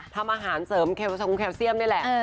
แล้วอาหารเสริมแคลเซียมน์ได้แหละ